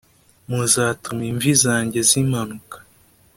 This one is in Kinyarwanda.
muzatuma imvi zanjye zimanukana .